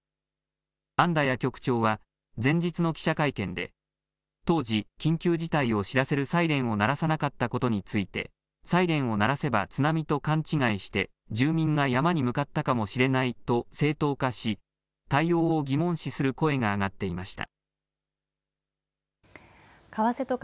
アンダヤ局長は前日の記者会見で、当時、緊急事態を知らせるサイレンを鳴らさなかったことについて、サイレンを鳴らせば津波と勘違いして、住民が山に向かったかもしれないと正当化し、対応を疑問視する声が上がっていました。